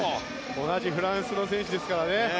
同じフランスの選手ですからね。